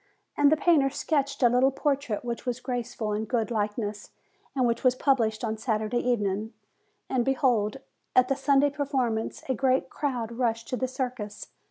And the painter sketched a little portrait which was graceful and a good likeness, and which was published on Saturday evening. And behold! at the Sunday performance a great crowd rushed to the circus.